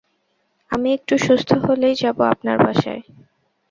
আমি একটু সুস্থ হলেই যাব আপনার বাসায়।